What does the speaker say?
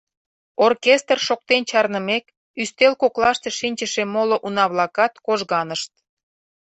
Оркестр шоктен чарнымек, ӱстел коклаште шинчыше моло уна-влакат кожганышт.